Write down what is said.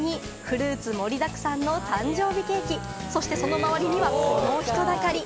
飾りが付けられた小屋にフルーツ盛たくさんの誕生日ケーキ、そしてその周りにはこの人だかり。